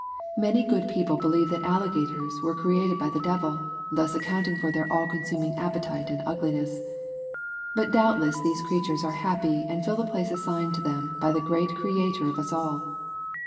Many good people believe that alligators were created by the Devil, thus accounting for their all consuming appetite and ugliness. But doubtless these creatures are happy and fill the place assigned them by the great Creator of us all.